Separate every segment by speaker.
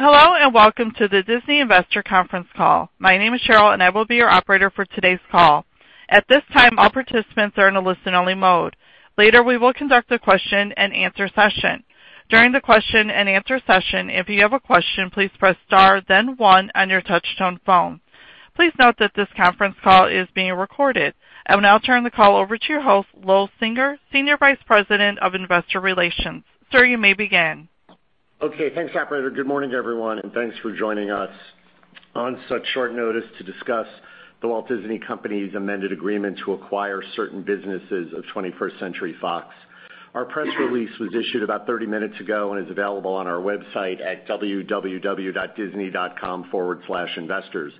Speaker 1: Hello, and welcome to the Disney Investor Conference Call. My name is Cheryl, and I will be your operator for today's call. At this time, all participants are in a listen-only mode. Later, we will conduct a question and answer session. During the question and answer session, if you have a question, please press star then one on your touchtone phone. Please note that this conference call is being recorded. I will now turn the call over to your host, Lowell Singer, Senior Vice President of Investor Relations. Sir, you may begin.
Speaker 2: Okay. Thanks, operator. Good morning, everyone, and thanks for joining us on such short notice to discuss The Walt Disney Company's amended agreement to acquire certain businesses of 21st Century Fox. Our press release was issued about 30 minutes ago and is available on our website at disney.com/investors.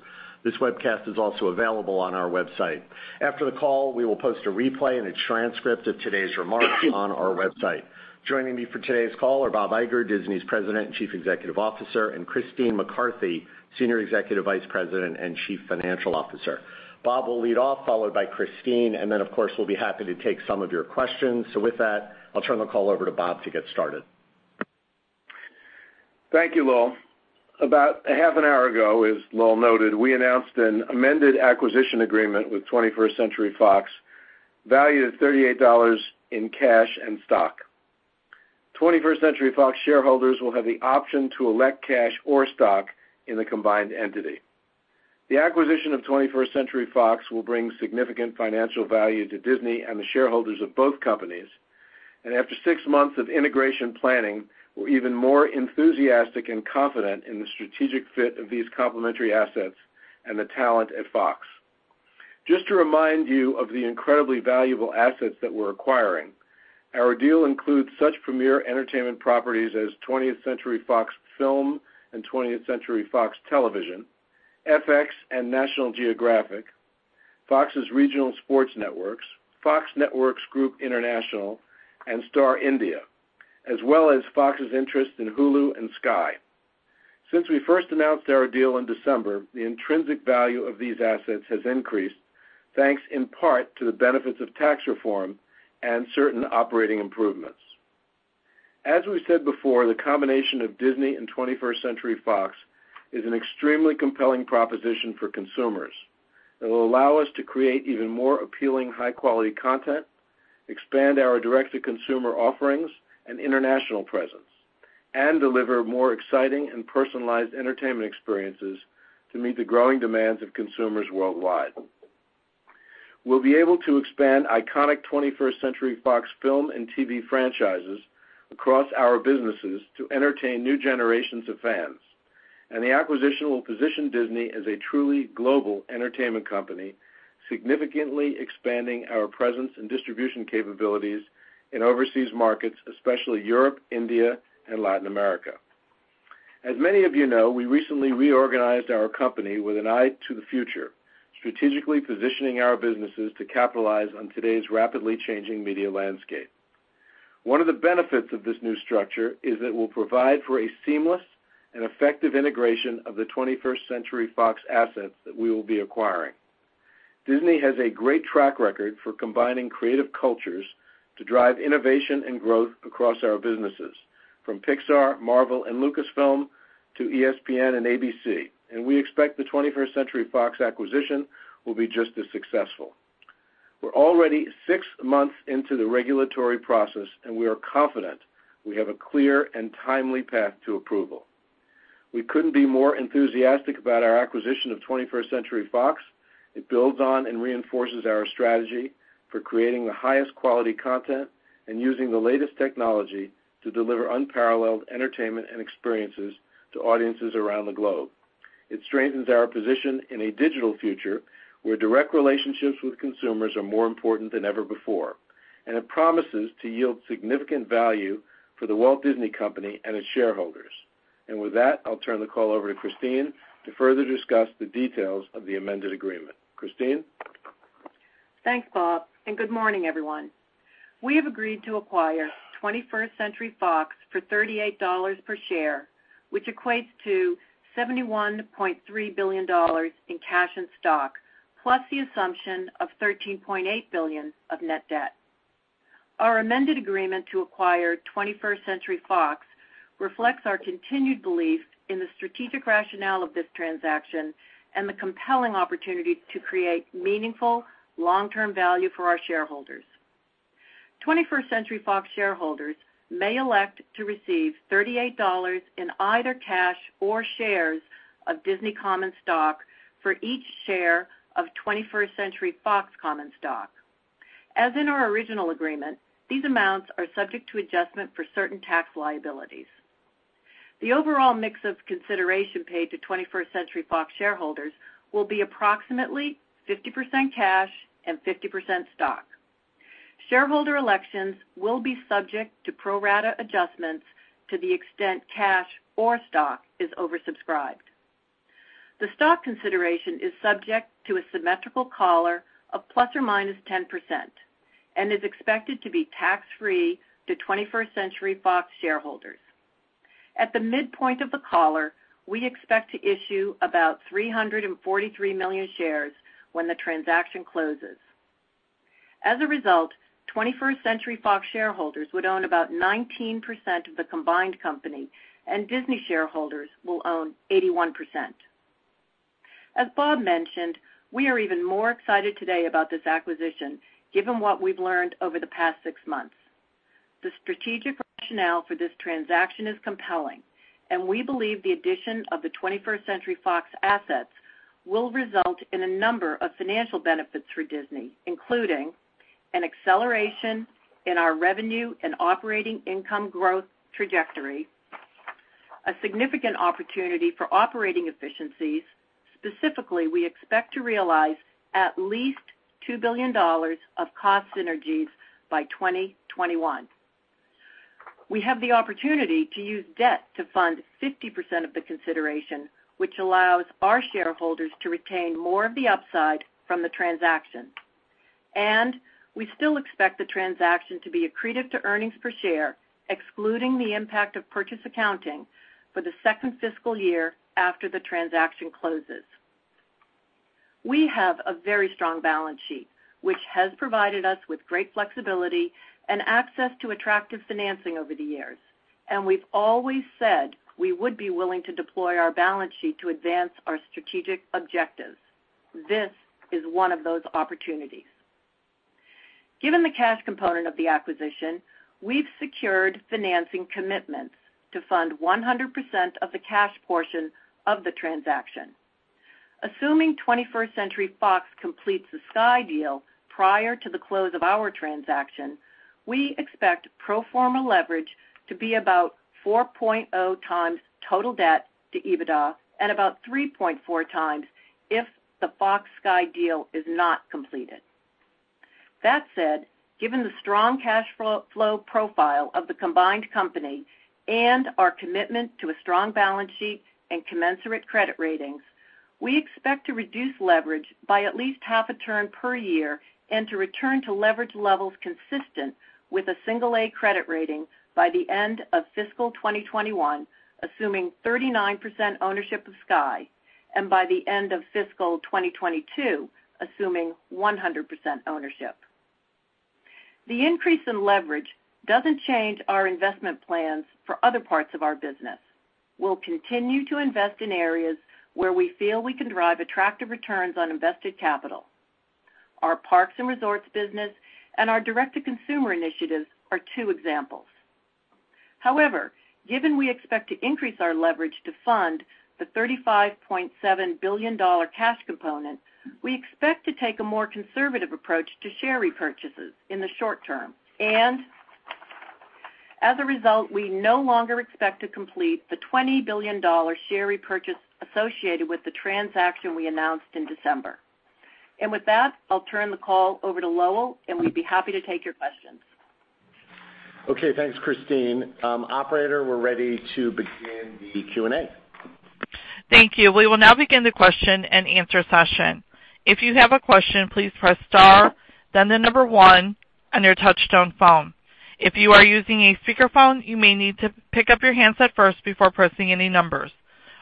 Speaker 2: This webcast is also available on our website. After the call, we will post a replay and a transcript of today's remarks on our website. Joining me for today's call are Bob Iger, Disney's President and Chief Executive Officer, and Christine McCarthy, Senior Executive Vice President and Chief Financial Officer. Bob will lead off, followed by Christine, and then of course, we'll be happy to take some of your questions. With that, I'll turn the call over to Bob to get started.
Speaker 3: Thank you, Lowell. About a half an hour ago, as Lowell noted, we announced an amended acquisition agreement with 21st Century Fox valued at $38 in cash and stock. 21st Century Fox shareholders will have the option to elect cash or stock in the combined entity. The acquisition of 21st Century Fox will bring significant financial value to Disney and the shareholders of both companies. After six months of integration planning, we're even more enthusiastic and confident in the strategic fit of these complementary assets and the talent at Fox. Just to remind you of the incredibly valuable assets that we're acquiring, our deal includes such premier entertainment properties as 20th Century Fox Film and 20th Century Fox Television, FX and National Geographic, Fox's Regional Sports Networks, Fox Networks Group International, and Star India, as well as Fox's interest in Hulu and Sky. Since we first announced our deal in December, the intrinsic value of these assets has increased, thanks in part to the benefits of tax reform and certain operating improvements. As we said before, the combination of Disney and 21st Century Fox is an extremely compelling proposition for consumers that will allow us to create even more appealing, high-quality content, expand our direct-to-consumer offerings and international presence, and deliver more exciting and personalized entertainment experiences to meet the growing demands of consumers worldwide. We'll be able to expand iconic 21st Century Fox film and TV franchises across our businesses to entertain new generations of fans, and the acquisition will position Disney as a truly global entertainment company, significantly expanding our presence and distribution capabilities in overseas markets, especially Europe, India, and Latin America. As many of you know, we recently reorganized our company with an eye to the future, strategically positioning our businesses to capitalize on today's rapidly changing media landscape. One of the benefits of this new structure is it will provide for a seamless and effective integration of the 21st Century Fox assets that we will be acquiring. Disney has a great track record for combining creative cultures to drive innovation and growth across our businesses, from Pixar, Marvel, and Lucasfilm to ESPN and ABC. We expect the 21st Century Fox acquisition will be just as successful. We're already six months into the regulatory process. We are confident we have a clear and timely path to approval. We couldn't be more enthusiastic about our acquisition of 21st Century Fox. It builds on and reinforces our strategy for creating the highest quality content and using the latest technology to deliver unparalleled entertainment and experiences to audiences around the globe. It strengthens our position in a digital future where direct relationships with consumers are more important than ever before, and it promises to yield significant value for The Walt Disney Company and its shareholders. With that, I'll turn the call over to Christine to further discuss the details of the amended agreement. Christine?
Speaker 4: Thanks, Bob, and good morning, everyone. We have agreed to acquire 21st Century Fox for $38 per share, which equates to $71.3 billion in cash and stock, plus the assumption of $13.8 billion of net debt. Our amended agreement to acquire 21st Century Fox reflects our continued belief in the strategic rationale of this transaction and the compelling opportunity to create meaningful long-term value for our shareholders. 21st Century Fox shareholders may elect to receive $38 in either cash or shares of Disney common stock for each share of 21st Century Fox common stock. As in our original agreement, these amounts are subject to adjustment for certain tax liabilities. The overall mix of consideration paid to 21st Century Fox shareholders will be approximately 50% cash and 50% stock. Shareholder elections will be subject to pro rata adjustments to the extent cash or stock is oversubscribed. The stock consideration is subject to a symmetrical collar of ±10% and is expected to be tax-free to 21st Century Fox shareholders. At the midpoint of the collar, we expect to issue about 343 million shares when the transaction closes. As a result, 21st Century Fox shareholders would own about 19% of the combined company, and Disney shareholders will own 81%. As Bob mentioned, we are even more excited today about this acquisition, given what we've learned over the past six months. The strategic rationale for this transaction is compelling. We believe the addition of the 21st Century Fox assets will result in a number of financial benefits for Disney, including an acceleration in our revenue and operating income growth trajectory, a significant opportunity for operating efficiencies. Specifically, we expect to realize at least $2 billion of cost synergies by 2021. We have the opportunity to use debt to fund 50% of the consideration, which allows our shareholders to retain more of the upside from the transaction. We still expect the transaction to be accretive to earnings per share, excluding the impact of purchase accounting for the second fiscal year after the transaction closes. We have a very strong balance sheet, which has provided us with great flexibility and access to attractive financing over the years, and we've always said we would be willing to deploy our balance sheet to advance our strategic objectives. This is one of those opportunities. Given the cash component of the acquisition, we've secured financing commitments to fund 100% of the cash portion of the transaction. Assuming 21st Century Fox completes the Sky deal prior to the close of our transaction, we expect pro forma leverage to be about 4.0 times total debt to EBITDA and about 3.4 times if the Fox-Sky deal is not completed. That said, given the strong cash flow profile of the combined company and our commitment to a strong balance sheet and commensurate credit ratings, we expect to reduce leverage by at least half a turn per year and to return to leverage levels consistent with a single A credit rating by the end of fiscal 2021, assuming 39% ownership of Sky and by the end of fiscal 2022, assuming 100% ownership. The increase in leverage doesn't change our investment plans for other parts of our business. We'll continue to invest in areas where we feel we can drive attractive returns on invested capital. Our parks and resorts business and our direct-to-consumer initiatives are two examples. However, given we expect to increase our leverage to fund the $35.7 billion cash component, we expect to take a more conservative approach to share repurchases in the short term. As a result, we no longer expect to complete the $20 billion share repurchase associated with the transaction we announced in December. With that, I'll turn the call over to Lowell, and we'd be happy to take your questions.
Speaker 2: Okay. Thanks, Christine. Operator, we're ready to begin the Q&A.
Speaker 1: Thank you. We will now begin the question and answer session. If you have a question, please press star, then the number 1 on your touchtone phone. If you are using a speakerphone, you may need to pick up your handset first before pressing any numbers.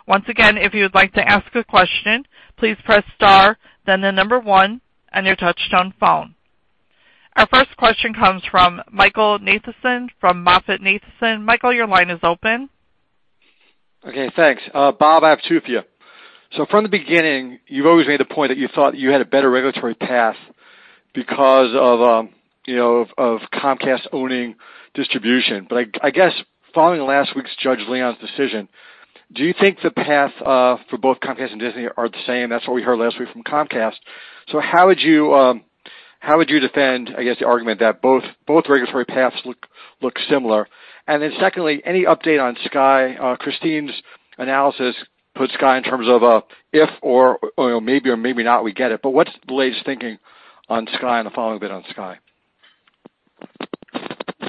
Speaker 1: Once again, if you would like to ask a question, please press star, then the number 1 on your touchtone phone. Our first question comes from Michael Nathanson from MoffettNathanson. Michael, your line is open.
Speaker 5: Okay, thanks. Bob, I have two for you. From the beginning, you've always made a point that you thought you had a better regulatory path because of Comcast owning distribution. I guess following last week's Judge Leon's decision, do you think the path for both Comcast and Disney are the same? That's what we heard last week from Comcast. How would you defend, I guess, the argument that both regulatory paths look similar? Secondly, any update on Sky? Christine's analysis put Sky in terms of if or maybe or maybe not we get it, but what's the latest thinking on Sky and the following bit on Sky?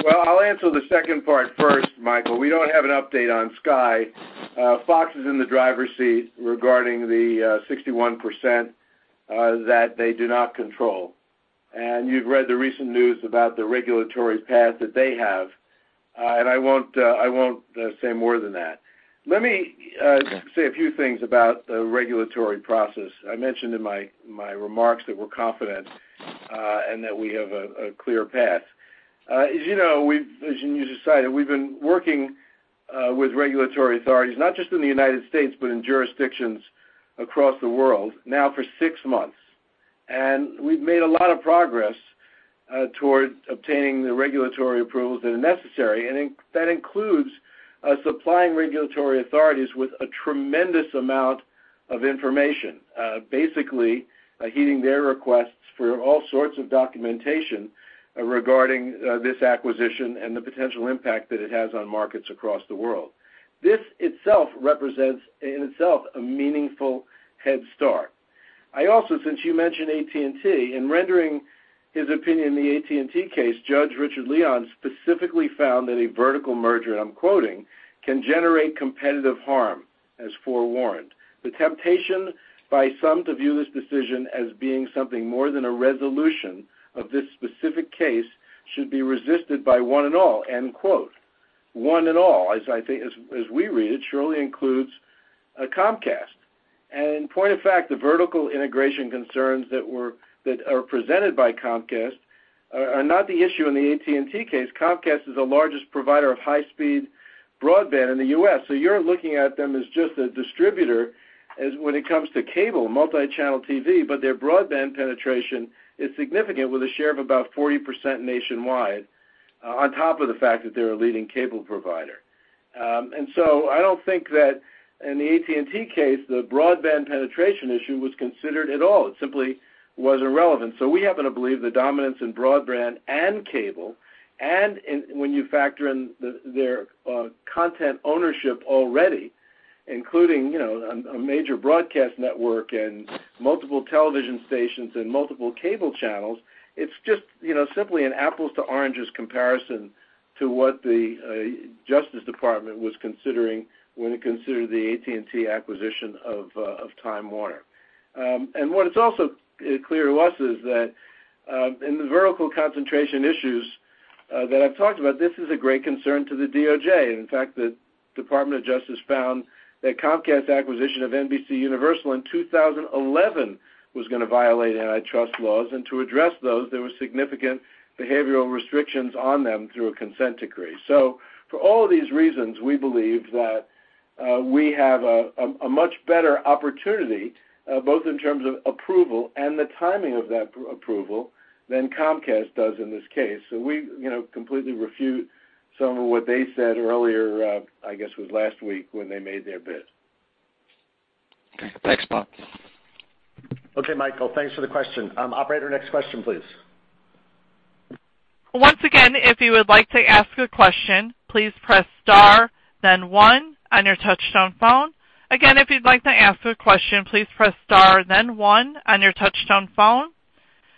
Speaker 3: Well, I'll answer the second part first, Michael. We don't have an update on Sky. Fox is in the driver's seat regarding the 61% that they do not control. You've read the recent news about the regulatory path that they have. I won't say more than that. Let me say a few things about the regulatory process. I mentioned in my remarks that we're confident and that we have a clear path. As you know, as you decided, we've been working with regulatory authorities, not just in the U.S., but in jurisdictions across the world now for six months. We've made a lot of progress toward obtaining the regulatory approvals that are necessary, and that includes supplying regulatory authorities with a tremendous amount of information basically heeding their requests for all sorts of documentation regarding this acquisition and the potential impact that it has on markets across the world. This itself represents in itself a meaningful headstart. I also, since you mentioned AT&T, in rendering his opinion in the AT&T case, Judge Richard Leon specifically found that a vertical merger, and I'm quoting, "can generate competitive harm” and forewarned, “The temptation by some to view this decision as being something more than a resolution of this specific case should be resisted by one and all." End quote. One and all, as we read it surely includes Comcast. Point of fact, the vertical integration concerns that are presented by Comcast are not the issue in the AT&T case. Comcast is the largest provider of high-speed broadband in the U.S. You're looking at them as just a distributor when it comes to cable, multi-channel TV, but their broadband penetration is significant, with a share of about 40% nationwide, on top of the fact that they're a leading cable provider. I don't think that in the AT&T case, the broadband penetration issue was considered at all. It simply was irrelevant. We happen to believe the dominance in broadband and cable, and when you factor in their content ownership already, including a major broadcast network and multiple television stations and multiple cable channels. It's just simply an apples to oranges comparison to what the Justice Department was considering when it considered the AT&T acquisition of Time Warner. What it's also clear to us is that in the vertical concentration issues that I've talked about, this is a great concern to the DOJ. In fact, the Department of Justice found that Comcast acquisition of NBCUniversal in 2011 was going to violate antitrust laws, and to address those, there were significant behavioral restrictions on them through a consent decree. For all these reasons, we believe that we have a much better opportunity, both in terms of approval and the timing of that approval, than Comcast does in this case. We completely refute some of what they said earlier, I guess, was last week when they made their bid.
Speaker 5: Thanks, Bob.
Speaker 3: Michael, thanks for the question. Operator, next question, please.
Speaker 1: Once again, if you would like to ask a question, please press star then one on your touchtone phone. Again, if you'd like to ask a question, please press star then one on your touchtone phone.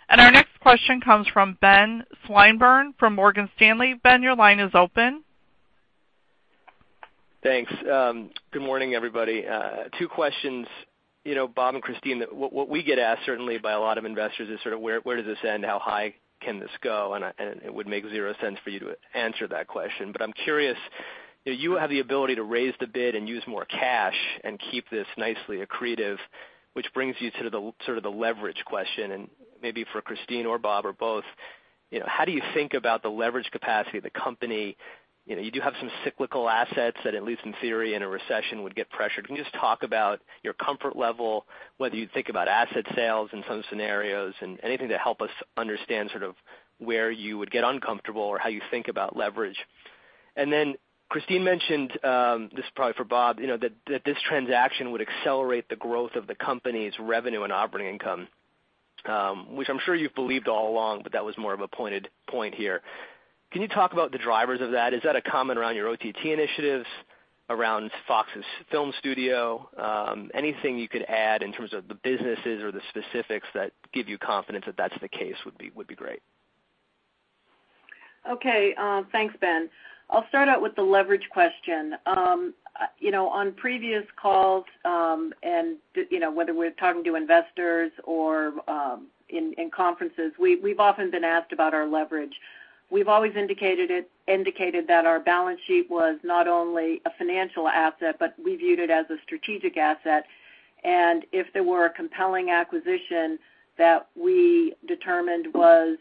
Speaker 1: Our next question comes from Ben Swinburne from Morgan Stanley. Ben, your line is open.
Speaker 6: Thanks. Good morning, everybody. Two questions. Bob and Christine, what we get asked certainly by a lot of investors is sort of where does this end? How high can this go? It would make 0 sense for you to answer that question. I'm curious, you have the ability to raise the bid and use more cash and keep this nicely accretive, which brings you to the sort of the leverage question and maybe for Christine or Bob or both, how do you think about the leverage capacity of the company? You do have some cyclical assets that, at least in theory, in a recession, would get pressured. Can you just talk about your comfort level, whether you think about asset sales in some scenarios and anything to help us understand sort of where you would get uncomfortable or how you think about leverage? Christine mentioned, this is probably for Bob, that this transaction would accelerate the growth of the company's revenue and operating income, which I'm sure you've believed all along, but that was more of a pointed point here. Can you talk about the drivers of that? Is that a comment around your OTT initiatives, around Fox's film studio? Anything you could add in terms of the businesses or the specifics that give you confidence that that's the case would be great.
Speaker 4: Okay, thanks, Ben. I'll start out with the leverage question. On previous calls, and whether we're talking to investors or in conferences, we've often been asked about our leverage. We've always indicated that our balance sheet was not only a financial asset, but we viewed it as a strategic asset. If there were a compelling acquisition that we determined was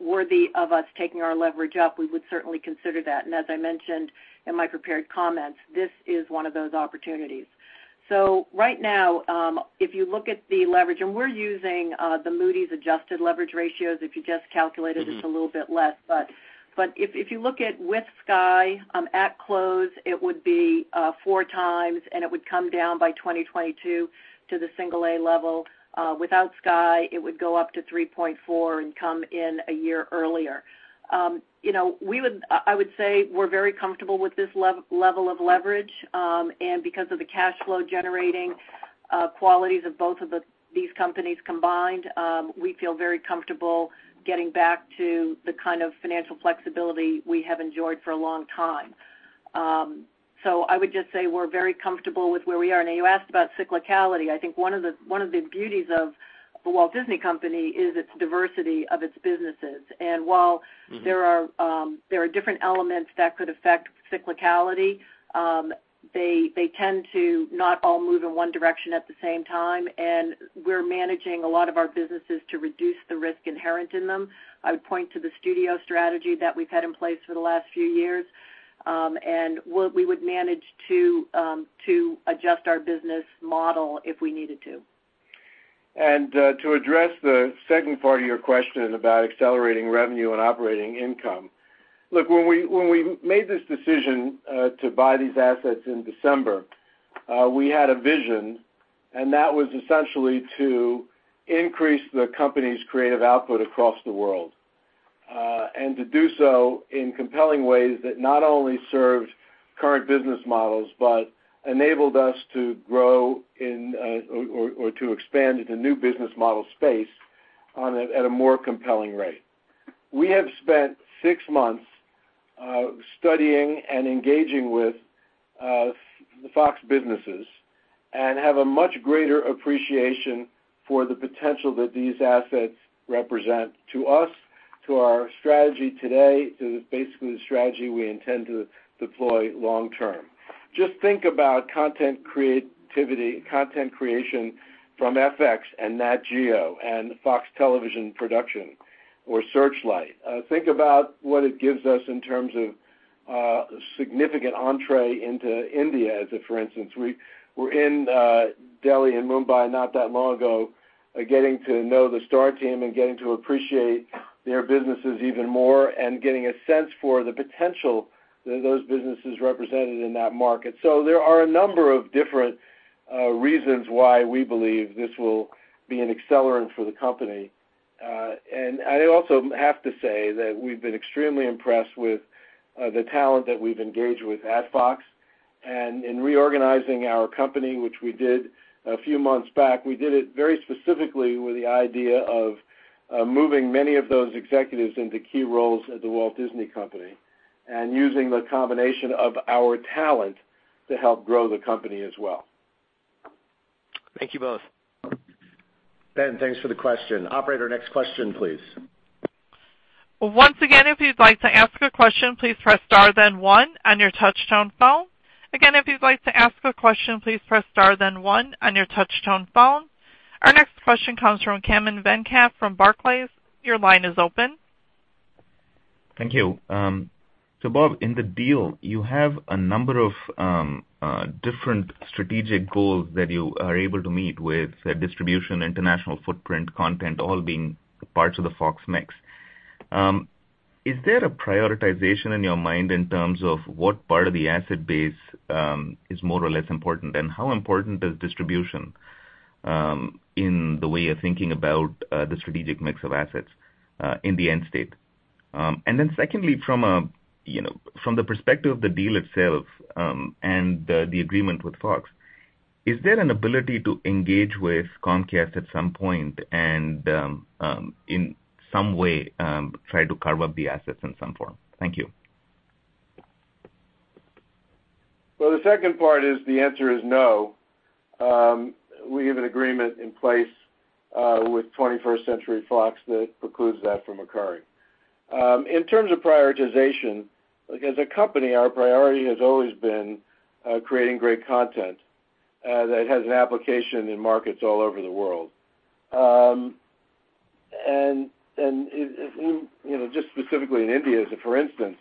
Speaker 4: worthy of us taking our leverage up, we would certainly consider that. As I mentioned in my prepared comments, this is one of those opportunities. Right now, if you look at the leverage, and we're using the Moody's adjusted leverage ratios. If you just calculated it's a little bit less. But if you look at with Sky at close, it would be 4x, and it would come down by 2022 to the single A level. Without Sky, it would go up to 3.4 and come in a year earlier. I would say we're very comfortable with this level of leverage. Because of the cash flow generating qualities of both of these companies combined, we feel very comfortable getting back to the kind of financial flexibility we have enjoyed for a long time. I would just say we're very comfortable with where we are now. You asked about cyclicality. I think one of the beauties of The Walt Disney Company is its diversity of its businesses. While there are different elements that could affect cyclicality they tend to not all move in one direction at the same time, and we're managing a lot of our businesses to reduce the risk inherent in them. I would point to the studio strategy that we've had in place for the last few years, and we would manage to adjust our business model if we needed to.
Speaker 3: To address the second part of your question about accelerating revenue and operating income. Look, when we made this decision to buy these assets in December, we had a vision, and that was essentially to increase the company's creative output across the world. To do so in compelling ways that not only served current business models but enabled us to grow or to expand into new business model space at a more compelling rate. We have spent six months studying and engaging with the Fox businesses and have a much greater appreciation for the potential that these assets represent to us, to our strategy today, to basically the strategy we intend to deploy long term. Just think about content creation from FX and Nat Geo and Fox Television production or Searchlight. Think about what it gives us in terms of significant entree into India, as for instance, we were in Delhi and Mumbai not that long ago, getting to know the Star team and getting to appreciate their businesses even more and getting a sense for the potential that those businesses represented in that market. There are a number of different reasons why we believe this will be an accelerant for the company. I also have to say that we've been extremely impressed with the talent that we've engaged with at Fox and in reorganizing our company, which we did a few months back, we did it very specifically with the idea of moving many of those executives into key roles at The Walt Disney Company and using the combination of our talent to help grow the company as well.
Speaker 6: Thank you both.
Speaker 3: Ben, thanks for the question. Operator, next question, please.
Speaker 1: Once again, if you'd like to ask a question, please press star then one on your touchtone phone. Again, if you'd like to ask a question, please press star then one on your touchtone phone. Our next question comes from Kannan Venkateshwar from Barclays. Your line is open.
Speaker 7: Thank you. Bob, in the deal, you have a number of different strategic goals that you are able to meet with distribution, international footprint, content all being parts of the Fox mix. Is there a prioritization in your mind in terms of what part of the asset base is more or less important? How important is distribution in the way of thinking about the strategic mix of assets in the end state? Secondly, from the perspective of the deal itself and the agreement with Fox, is there an ability to engage with Comcast at some point and in some way try to carve up the assets in some form? Thank you.
Speaker 3: Well, the second part is the answer is no. We have an agreement in place with 21st Century Fox that precludes that from occurring. In terms of prioritization, as a company, our priority has always been creating great content that has an application in markets all over the world. Just specifically in India, as for instance,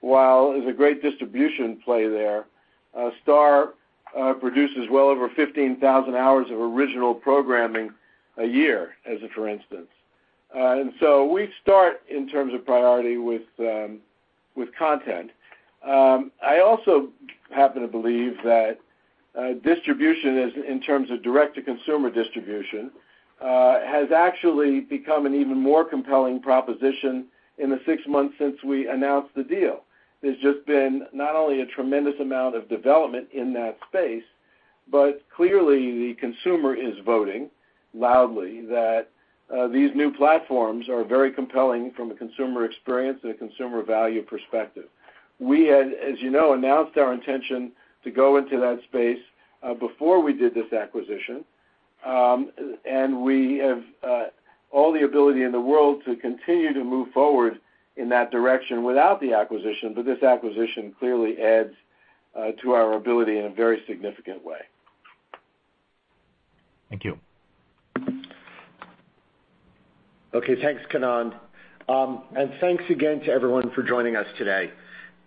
Speaker 3: while there's a great distribution play there, Star produces well over 15,000 hours of original programming a year, as for instance. So we start in terms of priority with content. I also happen to believe that distribution in terms of direct-to-consumer distribution has actually become an even more compelling proposition in the six months since we announced the deal. There's just been not only a tremendous amount of development in that space, but clearly the consumer is voting loudly that these new platforms are very compelling from a consumer experience and a consumer value perspective. We had, as you know, announced our intention to go into that space before we did this acquisition. We have all the ability in the world to continue to move forward in that direction without the acquisition, but this acquisition clearly adds to our ability in a very significant way.
Speaker 7: Thank you.
Speaker 3: Okay, thanks, Kannan. Thanks again to everyone for joining us today.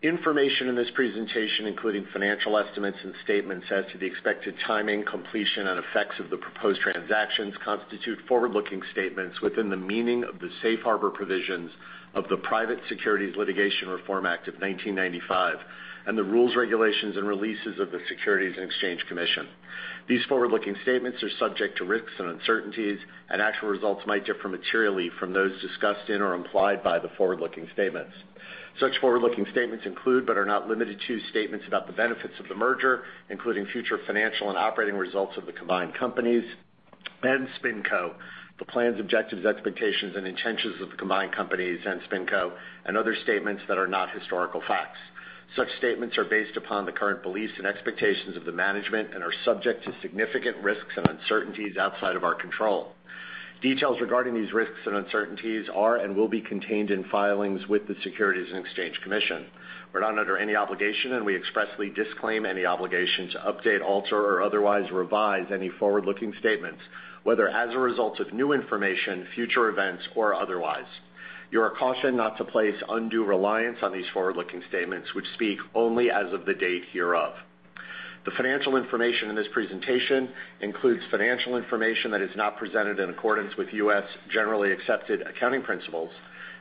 Speaker 3: Information in this presentation, including financial estimates and statements as to the expected timing, completion, and effects of the proposed transactions, constitute forward-looking statements within the meaning of the Safe Harbor Provisions of the Private Securities Litigation Reform Act of 1995 and the rules, regulations, and releases of the Securities and Exchange Commission. These forward-looking statements are subject to risks and uncertainties. Actual results might differ materially from those discussed in or implied by the forward-looking statements. Such forward-looking statements include but are not limited to statements about the benefits of the merger, including future financial and operating results of the combined companies and SpinCo, the plans, objectives, expectations and intentions of the combined companies and SpinCo and other statements that are not historical facts. Such statements are based upon the current beliefs and expectations of the management and are subject to significant risks and uncertainties outside of our control. Details regarding these risks and uncertainties are and will be contained in filings with the Securities and Exchange Commission. We're not under any obligation, and we expressly disclaim any obligation to update, alter, or otherwise revise any forward-looking statements, whether as a result of new information, future events, or otherwise. You are cautioned not to place undue reliance on these forward-looking statements, which speak only as of the date hereof. The financial information in this presentation includes financial information that is not presented in accordance with U.S. generally accepted accounting principles.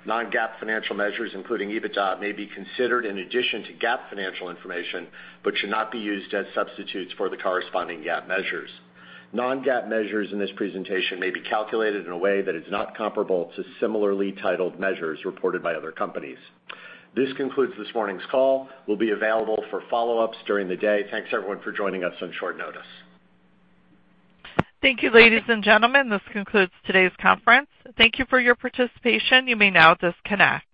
Speaker 3: Non-GAAP financial measures, including EBITDA, may be considered in addition to GAAP financial information but should not be used as substitutes for the corresponding GAAP measures. Non-GAAP measures in this presentation may be calculated in a way that is not comparable to similarly titled measures reported by other companies. This concludes this morning's call. We'll be available for follow-ups during the day. Thanks, everyone, for joining us on short notice.
Speaker 1: Thank you, ladies and gentlemen. This concludes today's conference. Thank you for your participation. You may now disconnect.